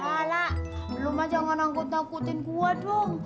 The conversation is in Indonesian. ah lah lo mah jangan angkut angkutin gue dong